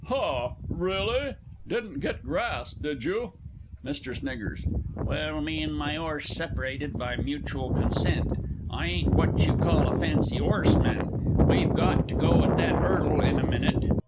Haw, really? Didn't get grassed, did you? MR. S. Well, me and my 'orse separated by mutual consent. I ain't what you call a fancy 'orseman. We've got to go at that 'urdle in a minute.